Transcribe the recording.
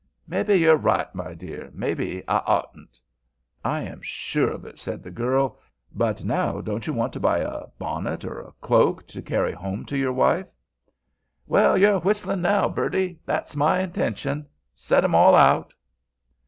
"Mebbe you're right, my dear; mebbe I oughtn't." "I am sure of it," said the girl. "But now don't you want to buy a bonnet or a cloak to carry home to your wife?" "Well, you're whistlin' now, birdie; that's my intention; set 'em all out."